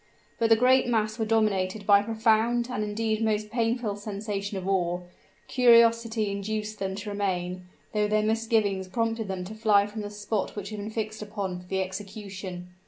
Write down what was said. But the great mass were dominated by a profound and indeed most painful sensation of awe; curiosity induced them to remain, though their misgivings prompted them to fly from the spot which had been fixed upon for the execution.